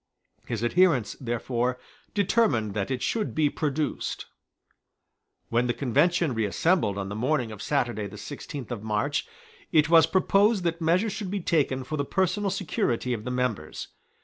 His adherents, therefore, determined that it should be produced. When the Convention reassembled on the morning of Saturday the sixteenth of March, it was proposed that measures should be taken for the personal security of the members.